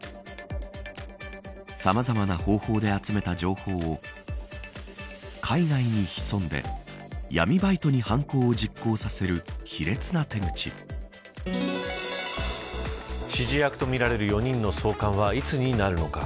さまざまな方法で集めた情報を海外に潜んで闇バイトに犯行を実行させる卑劣な手口。指示役とみられる４人の送還はいつになるのか。